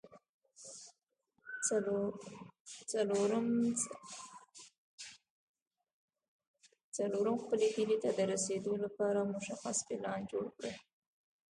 څلورم خپلې هيلې ته د رسېدو لپاره مشخص پلان جوړ کړئ.